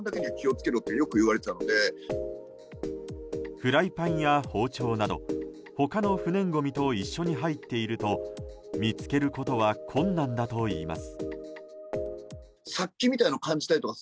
フライパンや包丁など他の不燃ごみと一緒に入っていると見つけることは困難だといいます。